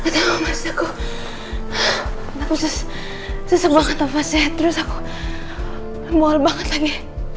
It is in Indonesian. tengok mas aku aku susah banget nafasnya terus aku mual banget lagi